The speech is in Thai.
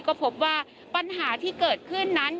ก็พบว่าปัญหาที่เกิดขึ้นนั้น